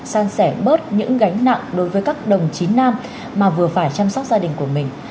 san sẻ bớt những gánh nặng đối với các đồng chí nam mà vừa phải chăm sóc gia đình của mình